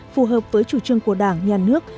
phù hợp với chủ trương của đảng nhà nước